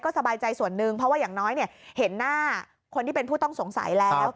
สบายใจส่วนหนึ่งเพราะว่าอย่างน้อยเห็นหน้าคนที่เป็นผู้ต้องสงสัยแล้ว